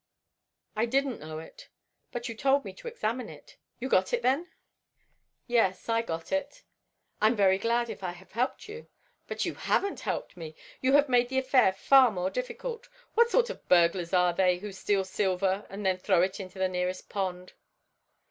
"I didn't know it." "But you told me to examine it." "You got it, then?" "Yes, I got it." "I am very glad if I have helped you." "But you haven't helped me. You have made the affair far more difficult. What sort of burglars are they who steal silver and then throw it into the nearest pond?"